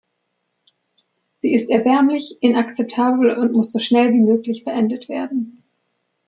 Sie ist erbärmlich, inakzeptabel und muss so schnell wie möglich beendet werden.